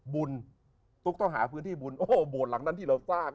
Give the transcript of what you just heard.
บุญตุ๊กต้องหาพื้นที่บุญโอ้โหโบสถ์หลังนั้นที่เราสร้าง